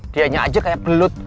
dianya aja kayak pelut